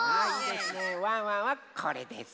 ワンワンはこれです。